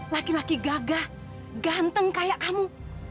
laki laki gagah ganteng kayak kamu